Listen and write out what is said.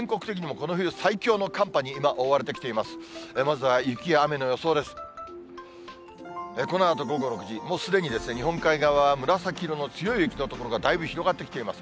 このあと午後６時、もうすでに日本海側、紫色の強い雪の所がだいぶ広がってきています。